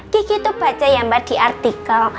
gigi tuh baca ya mbak di artikel